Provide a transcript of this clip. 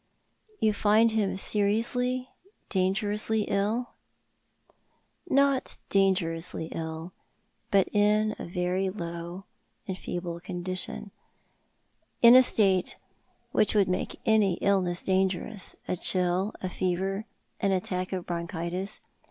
" You find him seriously, dangerously ill ?"" Not dangerously ill, but in a very low and feeble condition ; in a state which would make any illness dangerous — a chill, a fever, an attack of bronchitis.